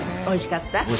おいしかった？